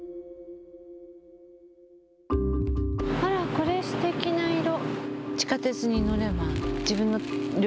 あら、これすてきな色。